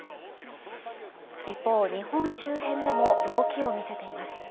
一方、日本周辺でも動きを見せています。